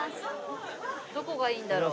どこがいいんだろう？